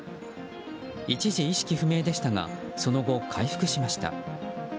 一時、意識不明でしたがその後、回復しました。